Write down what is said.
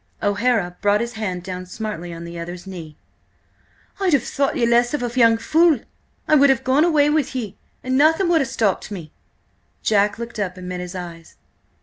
O'Hara brought his hand down smartly on the other's knee. "I'd have thought ye less of a young fool! I would have gone away with ye, and nothing would have stopped me!" Jack looked up and met his eyes.